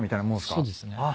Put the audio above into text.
そうですねはい。